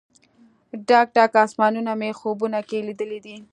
ډک، ډک اسمانونه مې خوبونو کې لیدلې دي